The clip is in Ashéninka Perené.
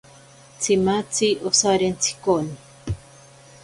Tsimatzi osarentsite koni.